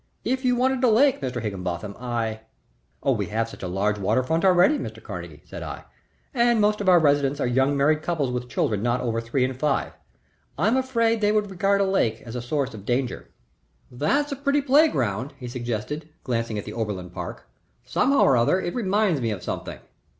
"If you wanted a lake, Mr. Higginbotham, I " "We have such a large water front already, Mr. Carnegie," said I, "and most of our residents are young married couples with children not over three and five. I am afraid they would regard a lake as a source of danger." "That's a pretty playground," he suggested, glancing at the Oberlin Park. "Somehow or other, it reminds me of something."